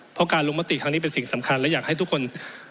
เพราะการลงมติครั้งนี้เป็นสิ่งสำคัญและอยากให้ทุกคน